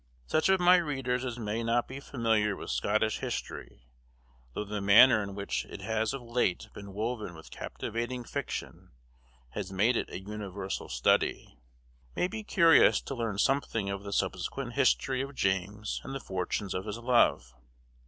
Such of my readers as may not be familiar with Scottish history (though the manner in which it has of late been woven with captivating fiction has made it a universal study) may be curious to learn something of the subsequent history of James and the fortunes of his love.